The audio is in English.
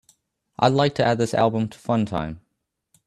I'd like to add this album to funtime.